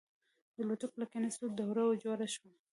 د الوتکې له کېناستو دوړه جوړه شوه.